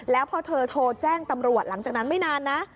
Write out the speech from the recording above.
แล้วพอเธอโทรแจ้งตำรวจหลังจากนั้นไม่นานนะ